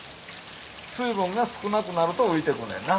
水分が少なくなると浮いて来んねんな。